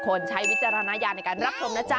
ใช้วิจารณญาณในการรับชมนะจ๊